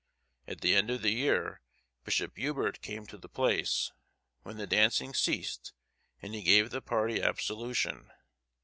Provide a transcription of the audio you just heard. At the end of the year Bishop Hubert came to the place, when the dancing ceased, and he gave the party absolution.